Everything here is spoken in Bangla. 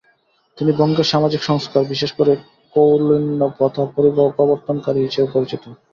তিনি বঙ্গের সামাজিক সংস্কার, বিশেষ করে কৌলীন্য প্রথা প্রবর্তনকারী হিসেবে পরিচিত।